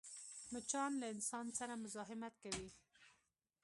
مچان له انسان سره مزاحمت کوي